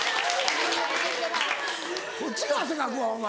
こっちが汗かくわお前。